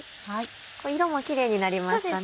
色もキレイになりましたね。